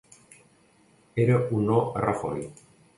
Era un no a Rajoy.